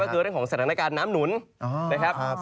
ก็คือเรื่องของสถานการณ์น้ำหนุนนะครับ